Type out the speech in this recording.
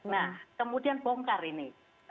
nah kemudian bongkar ini